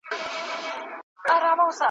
دا چي نن له خپله سېله را جلا یې ,